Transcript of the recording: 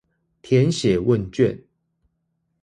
填寫問卷